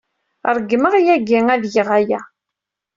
Ṛeggmeɣ yagi ad geɣ aya.